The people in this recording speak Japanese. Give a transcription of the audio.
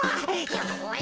よし！